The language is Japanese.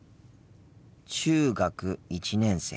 中学１年生。